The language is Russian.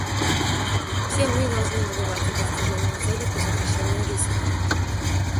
Все мы должны добиваться достижения целей по сокращению рисков.